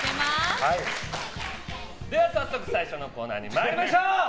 では早速、最初のコーナー参りましょう！